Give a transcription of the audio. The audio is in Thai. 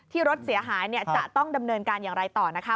รถเสียหายจะต้องดำเนินการอย่างไรต่อนะคะ